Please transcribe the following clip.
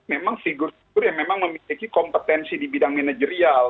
memang figure figure yang memiliki kompetensi di bidang manajerial